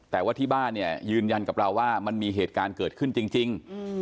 แต่ว่าที่บ้านเนี่ยยืนยันกับเราว่ามันมีเหตุการณ์เกิดขึ้นจริง